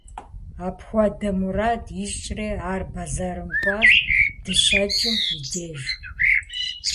Апхуэдэу мурад ищӀри, ар бэзэрым кӀуащ дыщэкӀым и деж.